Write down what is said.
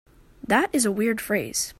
That is a weird phrase.